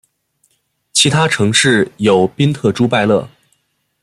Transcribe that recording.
其他城市有宾特朱拜勒。